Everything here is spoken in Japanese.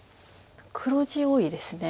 黒地多いですね。